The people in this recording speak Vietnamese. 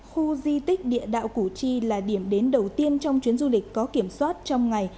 khu di tích địa đạo củ chi là điểm đến đầu tiên trong chuyến du lịch có kiểm soát trong ngày